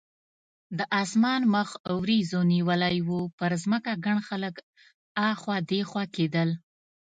د اسمان مخ وریځو نیولی و، پر ځمکه ګڼ خلک اخوا دیخوا کېدل.